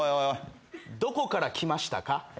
どこから来ましたか？